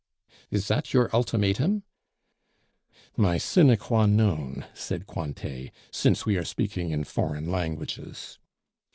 "Is that your ultimatum?" "My sine qua non," said Cointet, "since we are speaking in foreign languages."